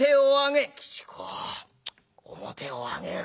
「吉公面を上げろ」。